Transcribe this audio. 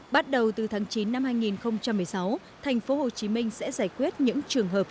bắt đầu từ tháng chín năm hai nghìn một mươi sáu thành phố hồ chí minh sẽ giải quyết những trường hợp